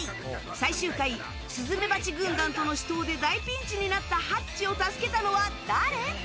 最終回スズメバチ軍団との死闘で大ピンチになったハッチを助けたのは誰？